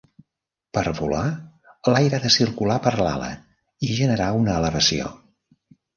Per volar, l'aire ha de circular per l'ala i generar una elevació.